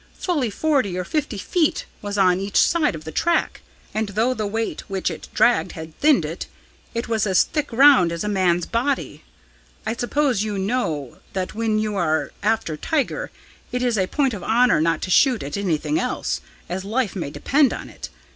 Fully forty or fifty feet was on each side of the track, and though the weight which it dragged had thinned it, it was as thick round as a man's body. I suppose you know that when you are after tiger, it is a point of honour not to shoot at anything else, as life may depend on it.